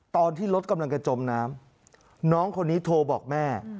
ตอนที่รถกำลังจะจมน้ำน้องคนนี้โทรบอกแม่